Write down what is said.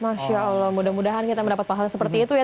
masya allah mudah mudahan kita mendapat pahala seperti itu ya